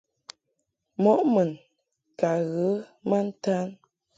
Mɔʼ mun ka ghə ma ntan.